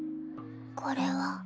これは。